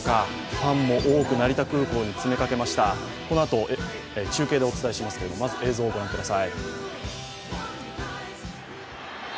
ファンも多く成田空港に詰めかけました、このあと中継でお伝えしますけれども、まず映像をご覧ください。